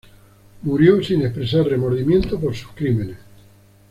Murió sin expresar remordimiento por sus crímenes.